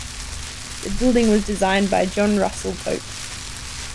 The building was designed by John Russell Pope.